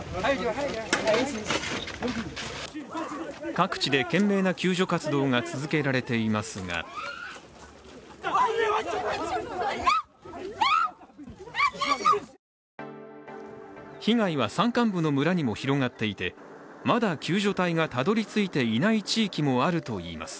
各地で懸命な救助活動が続けられていますが被害は山間部の村にも広がっていてまだ救助隊がたどり着いていない地域もあるといいます。